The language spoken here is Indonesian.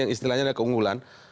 istilahnya adalah keunggulan